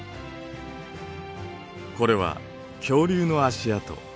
これは恐竜の足跡。